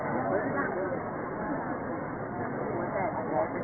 เมื่อเวลาอันดับอันดับอันดับอันดับอันดับ